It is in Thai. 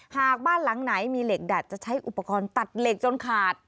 หากบ้านหลังไหนมีเหล็กดัดจะใช้อุปกรณ์ตัดเหล็กจนขาด